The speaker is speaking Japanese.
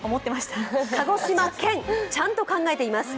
鹿児島県、ちゃんと考えています。